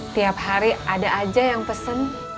tiap hari ada aja yang pesen